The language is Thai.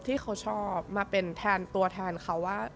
ที่เขาชอบมาเป็นแทนตัวแทนเขาว่า